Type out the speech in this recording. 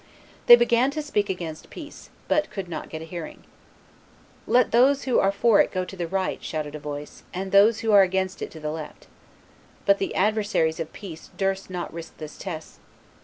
They began to speak against peace, but could not get a hearing. "Let those who are for it go to the right," shouted a voice, "and those who are against it to the left!" But the adversaries of peace durst not risk this test.